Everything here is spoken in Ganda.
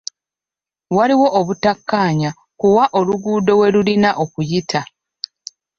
Waliwo obutakkaanya ku wa oluguudo we lulina okuyita.